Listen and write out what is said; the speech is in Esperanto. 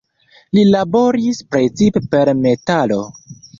Li laboris precipe per metalo.